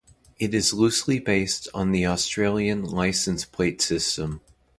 It is loosely based on the Australian license plate system.